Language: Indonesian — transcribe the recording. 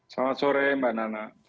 selamat sore mbak nana